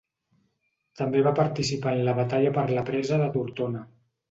També va participar en la batalla per la presa de Tortona.